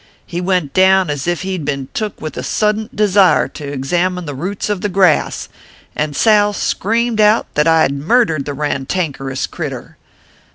He went down as ef he d been took with a suddint desire to examine the roots of the grass, and Sal screamed out that I d murdered the rantankerous critter.